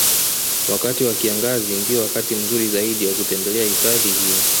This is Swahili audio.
Wakati wa kiangazi ndiyo wakati mzuri zaidi wa kutembelea hifadhi hiyo